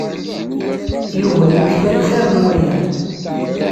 Yuba yuklal xir n waya.